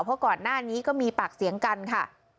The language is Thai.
เพราะก่อนหน้านี้ก็มีปากเสียงกันค่ะ